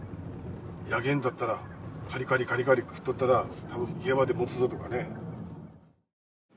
ヤゲンだったらカリカリカリカリ食っとったら多分家までもつぞとかね。